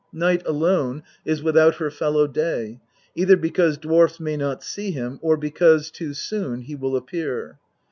Night alone is without her fellow Day, either because dwarfs may not see him, or because, too soon, he will appear.